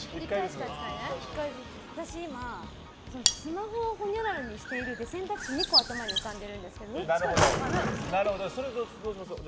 私今、スマホをほにゃららにしているで選択肢２個頭に浮かんでるんですけどそれどうしましょう。